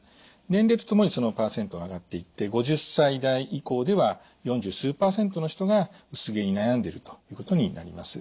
年齢とともにその％は上がっていって５０歳代以降では四十数％の人が薄毛に悩んでいるということになります。